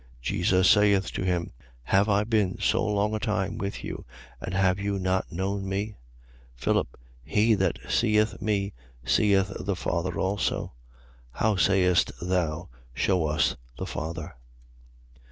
14:9. Jesus saith to him: Have I been so long a time with you and have you not known me? Philip, he that seeth me seeth the Father also. How sayest thou: Shew us the Father?